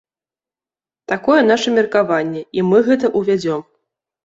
Такое наша меркаванне, і мы гэта ўвядзём.